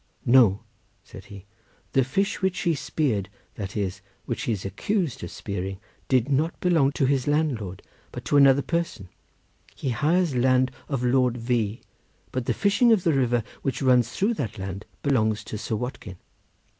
"No," said he, "the fish which he speared—that is, which he is accused of spearing—did not belong to his landlord, but to another person; he hires land of Lord V—, but the fishing of the river which runs through that land belongs to Sir Watkin."